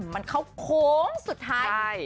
มันเข้าโค้งสุดท้าย